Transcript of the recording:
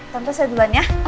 tante saya duluan ya